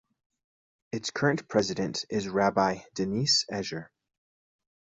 Its current president is Rabbi Denise Eger.